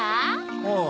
ああ。